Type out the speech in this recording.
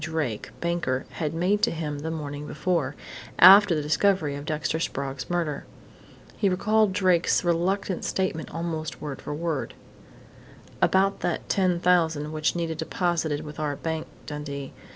Drake, banker, had made to him the morning before after the discovery of Dexter Sprague's murder. He recalled Drake's reluctant statement almost word for word: "About that $10,000 which Nita deposited with our bank, Dundee....